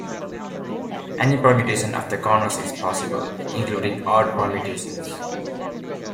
Any permutation of the corners is possible, including odd permutations.